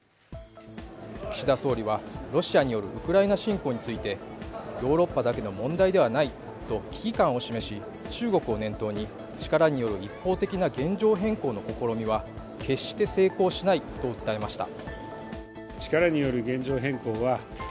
岸田総理はロシアによるウクライナ侵攻についてヨーロッパだけの問題ではないと危機感を示し中国を念頭に力による一方的な現状変更の試みは決して成功しないと訴えました。